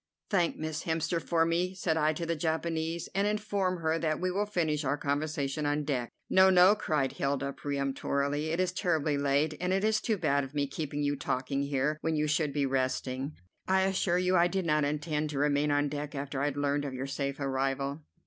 "Thank Miss Hemster for me," said I to the Japanese, "and inform her that we will finish our conversation on deck." "No, no!" cried Hilda peremptorily; "it is terribly late, and it is too bad of me keeping you talking here when you should be resting. I assure you I did not intend to remain on deck after I had learned of your safe arrival."